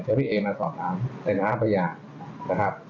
จะพี่เอมาสอบถามในห้าประหยากนะครับ